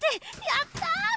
やったー！